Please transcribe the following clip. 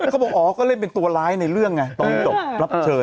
เขามาบอกอ๋อก็เล่นเป็นตัวร้ายในเรื่องไง